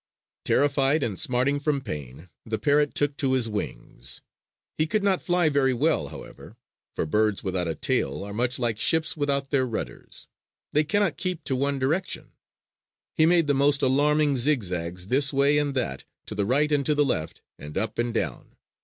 Terrified and smarting from pain, the parrot took to his wings. He could not fly very well, however; for birds without a tail are much like ships without their rudders: they cannot keep to one direction. He made the most alarming zigzags this way and that, to the right and to the left, and up and down.